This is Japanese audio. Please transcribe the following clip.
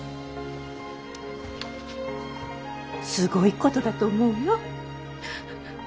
すごいことだと思うよ。